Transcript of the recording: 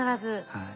はい。